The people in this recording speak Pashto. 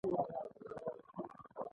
ځمکوال ځان د ځمکې اصلي مالک ګڼي